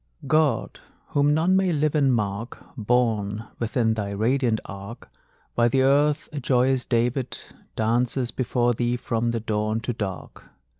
God, whom none may live and mark, Borne within thy radiant ark! While the Earth, a joyous David, Dances before thee from the dawn to dark.